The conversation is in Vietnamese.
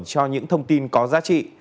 cho những thông tin có giá trị